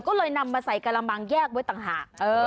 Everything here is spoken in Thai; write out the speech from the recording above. ก็เลยนำมาใส่กระมังแยกไว้ต่างหาก